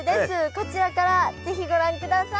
こちらから是非ご覧ください。